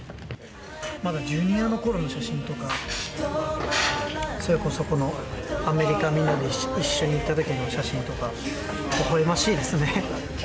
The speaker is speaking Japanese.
まだジュニアのころの写真とか、それこそ、このアメリカ、みんなで一緒に行ったときの写真とか、ほほえましいですね。